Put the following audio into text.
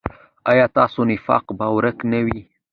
ایا ستاسو نفاق به ورک نه وي؟